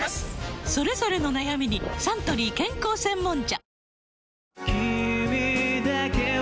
それぞれの悩みにサントリー健康専門茶「君だけを」